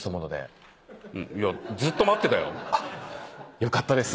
よかったです